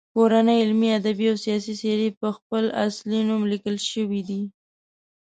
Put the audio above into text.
کورنۍ علمي، ادبي او سیاسي څیرې په خپل اصلي نوم لیکل شوي دي.